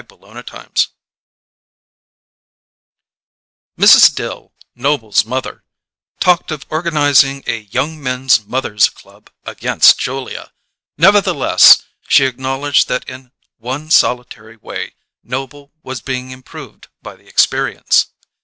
CHAPTER FOUR Mrs. Dill, Noble's mother, talked of organizing a Young Men's Mothers' Club against Julia, nevertheless she acknowledged that in one solitary way Noble was being improved by the experience.